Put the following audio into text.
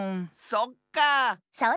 そっかあ。